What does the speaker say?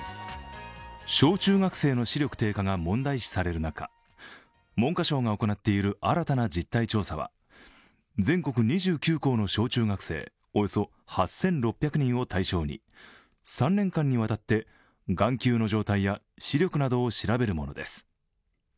小中学生の視力低下が問題視される中、文科省が行っている新たな実態調査は全国２９校の小中学生およそ８６００人を対象に、３年間にわたって眼球の状態や視力などを調べるものです。